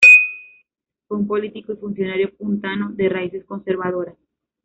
Fue un político y funcionario puntano, de raíces conservadoras.